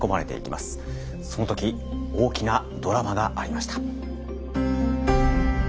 その時大きなドラマがありました。